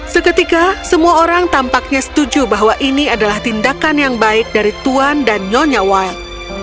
seketika semua orang tampaknya setuju bahwa ini adalah tindakan yang baik dari tuan dan nyonya wild